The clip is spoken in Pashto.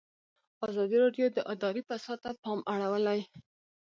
ازادي راډیو د اداري فساد ته پام اړولی.